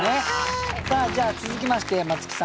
さあじゃあ続きましてまつきさん